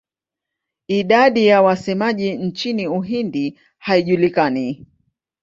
Idadi ya wasemaji nchini Uhindi haijulikani.